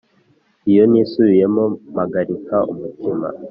Iyo nisubiyemo mpagarika umutima